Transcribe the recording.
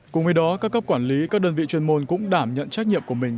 cùng với đó các cấp quản lý các đơn vị chuyên môn cũng đảm nhận trách nhiệm của mình